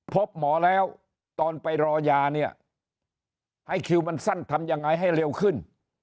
พบหมอแล้วตอนไปรอยาเนี่ยให้คิวมันสั้นทำยังไงให้เร็วขึ้น